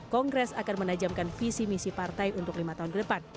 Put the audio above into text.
kongres akan menajamkan visi misi partai untuk lima tahun ke depan